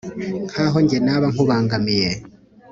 nk'aho jye naba nkubangamiye